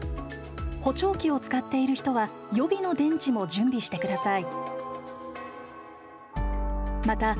補聴器を使っている人は予備の電池も準備してください。